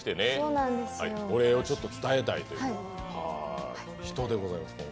お礼をちょっと伝えたいというか。